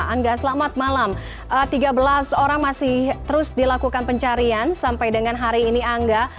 angga selamat malam tiga belas orang masih terus dilakukan pencarian sampai dengan hari ini angga